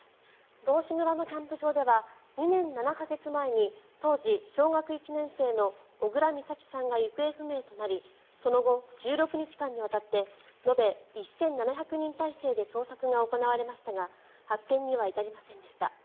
道志村のキャンプ場では２年７か月前に当時小学１年生の小倉美咲さんが行方不明となりその後、１６日間にわたって延べ１７００人態勢で捜索が行われましたが発見には至りませんでした。